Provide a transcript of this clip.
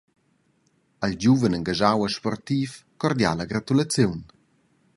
Al giuven engaschau e sportiv cordiala gratulaziun.